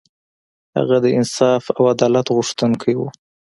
هغه د انصاف او عدالت غوښتونکی و.